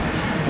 gue gak kuliah